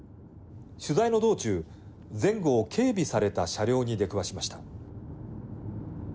取材の道中、前後を警備された車両に出くわしました。